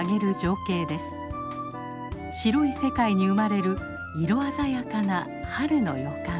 白い世界に生まれる色鮮やかな春の予感。